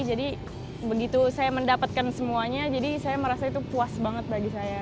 jadi begitu saya mendapatkan semuanya jadi saya merasa itu puas banget bagi saya gitu